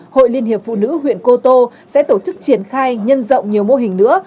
hội liên hiệp phụ nữ huyện cô tô sẽ tổ chức triển khai nhân rộng nhiều mô hình nữa